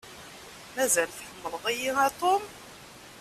Mazal tḥemmleḍ-iyi a Tom?